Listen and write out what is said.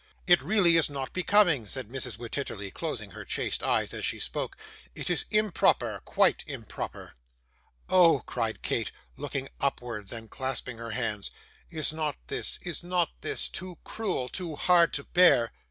It really is not becoming,' said Mrs. Wititterly, closing her chaste eyes as she spoke; 'it is improper quite improper.' 'Oh!' cried Kate, looking upwards and clasping her hands; 'is not this, is not this, too cruel, too hard to bear!